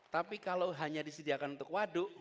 tapi kalau hanya disediakan untuk waduk